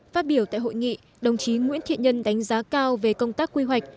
phát biểu tại hội nghị đồng chí nguyễn thiện nhân đánh giá cao về công tác quy hoạch